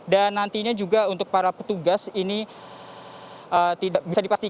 dan nantinya juga untuk para petugas ini tidak bisa berhenti